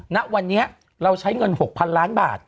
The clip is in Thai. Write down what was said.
ณวันนี้เราใช้เงิน๖๐๐๐ล้านบาท